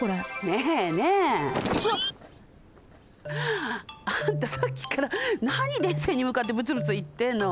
あんたさっきからなに電線にむかってブツブツいってんの？